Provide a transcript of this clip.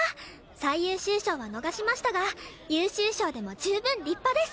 最優秀賞は逃しましたが優秀賞でも十分立派です！